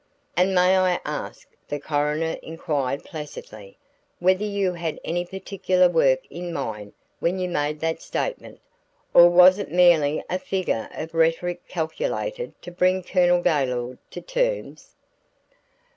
"And may I ask," the coroner inquired placidly, "whether you had any particular work in mind when you made that statement, or was it merely a figure of rhetoric calculated to bring Colonel Gaylord to terms?"